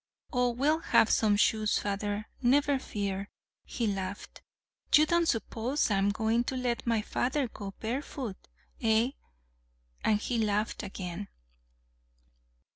Oh, we'll have some shoes, father, never fear!" he laughed. "You don't suppose I'm going to let my father go barefoot! eh?" And he laughed again.